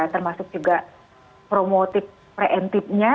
termasuk juga promotif pre emptifnya